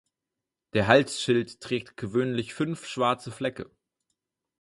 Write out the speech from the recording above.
Der Halsschild trägt gewöhnlich fünf schwarze Flecke.